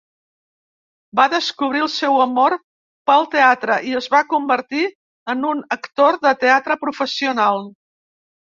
Va descobrir el seu amor pel teatre i es va convertir en un actor de teatre professional.